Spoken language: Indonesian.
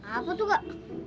apa tuh kak